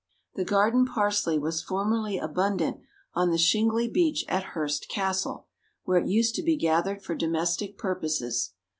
The garden parsley was formerly abundant on the shingly beach at Hurst castle, where it used to be gathered for domestic purposes.